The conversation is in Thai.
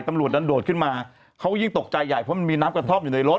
ตำรวจนั้นโดดขึ้นมาเขายิ่งตกใจใหญ่เพราะมันมีน้ำกระท่อมอยู่ในรถ